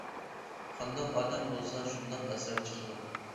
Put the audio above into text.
قانداق ئادەم بولسا شۇنداق ئەسەر چىقىدۇ.